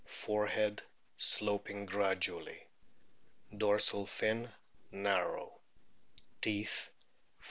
Forehead sloping gradually. Dorsal fin narrow. Teeth, 46 50.